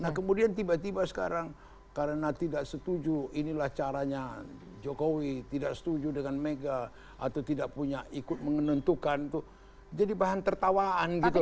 nah kemudian tiba tiba sekarang karena tidak setuju inilah caranya jokowi tidak setuju dengan mega atau tidak punya ikut menentukan itu jadi bahan tertawaan gitu loh